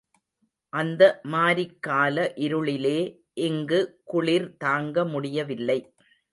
அந்த மாரிக்கால இருளிலே இங்கு குளிர் தாங்கமுடியவில்லை.